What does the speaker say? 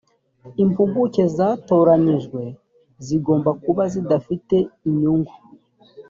impuguke zatoranijwe zigomba kuba zidafite inyungu